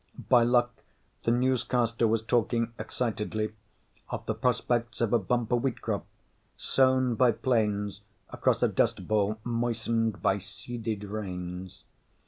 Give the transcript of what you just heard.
By luck, the newscaster was talking excitedly of the prospects of a bumper wheat crop, sown by planes across a dust bowl moistened by seeded rains.